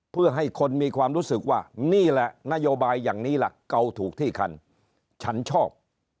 เพื่อให้คนมีความรู้สึกว่านี่แหละนโยบายอย่างนี้ล่ะเกาถูกที่คันฉันชอบ